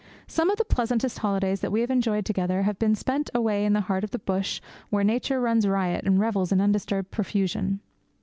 Some of the pleasantest holidays that we have enjoyed together have been spent away in the heart of the bush where Nature runs riot and revels in undisturbed profusion.